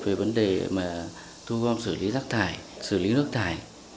về vấn đề thu gom xử lý rác thải xử lý nước thải